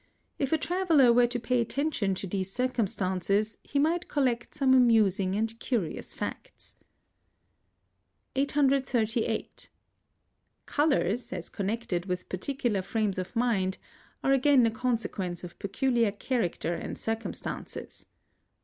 If a traveller were to pay attention to these circumstances, he might collect some amusing and curious facts. 838. Colours, as connected with particular frames of mind, are again a consequence of peculiar character and circumstances.